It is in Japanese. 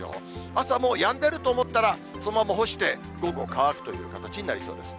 朝もうやんでると思ったら、そのまま干して、午後乾くという形になりそうです。